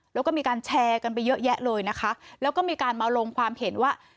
แล้วก็มีการแชร์กันไปเยอะแยะเลยนะคะแล้วก็มีการมาลงความเห็นว่า